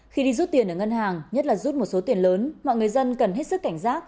khi đi rút tiền ở ngân hàng nhất là rút một số tiền lớn mọi người dân cần hết sức cảnh giác